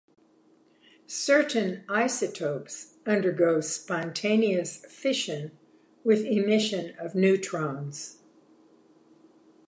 Certain isotopes undergo spontaneous fission with emission of neutrons.